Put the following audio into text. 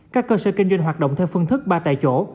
các cơ sở kinh doanh hoạt động theo phương thức ba tại chỗ